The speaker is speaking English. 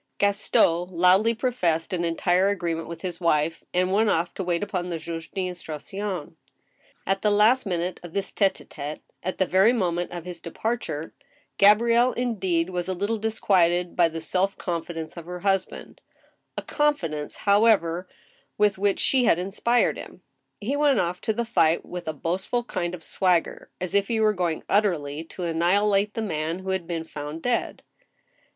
Gaston loudly professed an entire agreement with his wife, and went off to wait upon \^tjuge d* instruction. At the last minute of this tite h tete, at the very moment of his departure, Gabrielle, indeed, was a little disquieted by the self confi dence of her husband — ^a confidence, however, with which she had inspired him. He went off to the fight with a boastful kind of swagger, as if he were going utterly to annihilate the man who had been found dead.